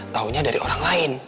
taunya dari orang lain